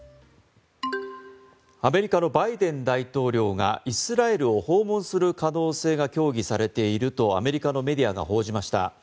アメリカのバイデン大統領がイスラエルを訪問する可能性が協議されているとアメリカのメディアが報じました。